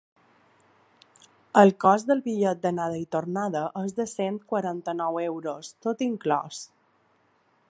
El cost del bitllet d’anada i tornada és de cent quaranta-nou euros, tot inclòs.